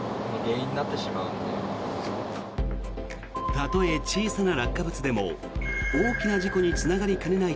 たとえ小さな落下物でも大きな事故につながりかねない